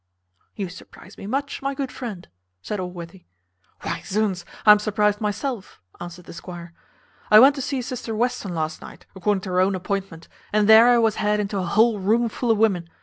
"You surprize me much, my good friend," said Allworthy. "Why, zounds! I am surprized myself," answered the squire. "I went to zee sister Western last night, according to her own appointment, and there I was had into a whole room full of women.